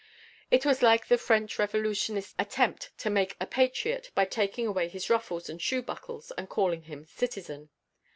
It was like the French Revolutionists' attempt to make a patriot by taking away his ruffles and shoe buckles and calling him "citizen"!